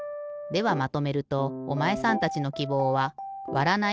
ではまとめるとおまえさんたちのきぼうはだな？